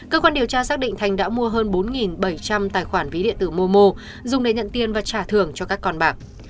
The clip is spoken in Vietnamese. cơ quan điều tra xác định thành đã mua hơn bốn bảy trăm linh tài khoản ví điện tử momo dùng để nhận tiền và trả thưởng cho các con bạc